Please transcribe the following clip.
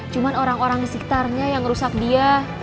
cuma orang orang sekitarnya yang rusak dia